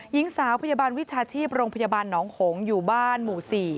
หญิงสาวพยาบาลวิชาชีพโรงพยาบาลหนองหงษ์อยู่บ้านหมู่๔